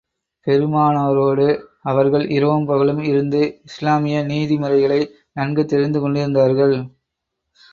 பெருமானாரோடு அவர்கள் இரவும், பகலும் இருந்து இஸ்லாமிய நீதி முறைகளை நன்கு தெரிந்து கொண்டிருந்தார்கள்.